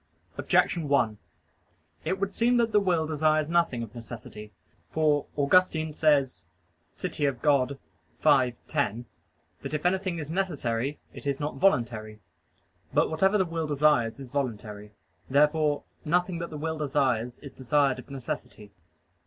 Objection 1: It would seem that the will desires nothing of necessity. For Augustine says (De Civ. Dei v, 10) that it anything is necessary, it is not voluntary. But whatever the will desires is voluntary. Therefore nothing that the will desires is desired of necessity.